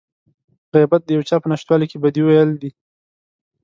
غيبت د يو چا په نشتوالي کې بدي ويل دي.